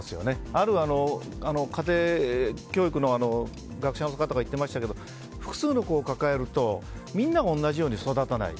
ある家庭教育の学者の方が言っていましたけど複数の子を抱えるとみんなが同じように育たない。